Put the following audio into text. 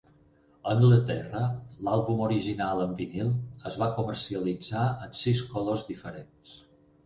A Anglaterra, l'àlbum original en vinil es va comercialitzar en sis colors diferents.